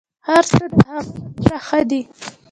هرڅه د هغه لپاره ښه دي.